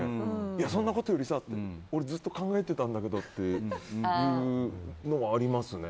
いやそんなことよりさって俺、ずっと考えていたんだけどっていうのはありますね。